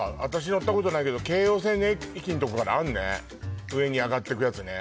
乗ったことないけど京王線の駅んとこからあんね上に上がってくやつね